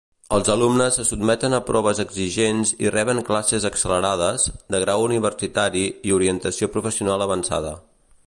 Els alumnes se sotmeten a proves exigents i reben classes accelerades, de grau universitari i orientació professional avançada.